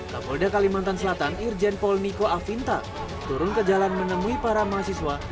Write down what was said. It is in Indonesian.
kapolda kalimantan selatan irjen pol niko afinta turun ke jalan menemui para mahasiswa